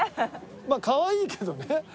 まあかわいけどね。